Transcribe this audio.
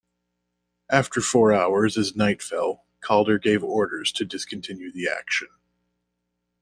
After four hours, as night fell, Calder gave orders to discontinue the action.